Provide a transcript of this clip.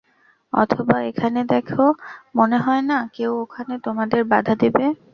অথবা, ওখানে দেখো, মনে হয় না, কেউ ওখানে তোমাদের বাঁধা দেবে।